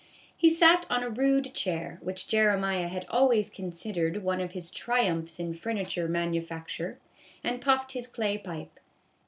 He sat on a rude chair, which Jeremiah had always considered one of his triumphs in furni ture manufacture, and puffed his clay pipe.